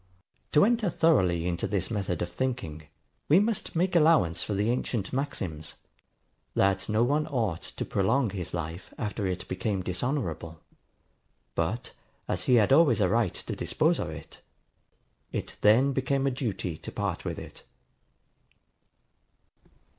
To enter thoroughly into this method of thinking, we must make allowance for the ancient maxims, that no one ought to prolong his life after it became dishonourable; but, as he had always a right to dispose of it, it then became a duty to part with it.